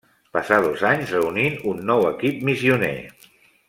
Passà dos anys reunint un nou equip missioner.